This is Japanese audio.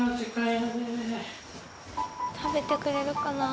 食べてくれるかな。